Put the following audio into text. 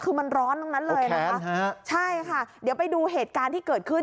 คือมันร้อนทั้งนั้นเลยนะคะใช่ค่ะเดี๋ยวไปดูเหตุการณ์ที่เกิดขึ้น